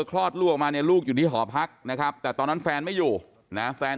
คลอดลูกออกมาเนี่ยลูกอยู่ที่หอพักนะครับแต่ตอนนั้นแฟนไม่อยู่นะแฟน